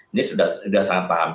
ini sudah sangat paham